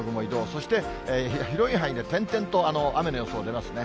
そして広い範囲で点々と雨の予想が出ますね。